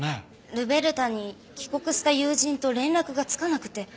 ルベルタに帰国した友人と連絡がつかなくて。